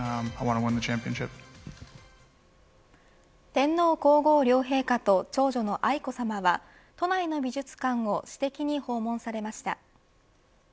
天皇皇后両陛下と長女の愛子さまは都内の美術館を私的に訪問されました。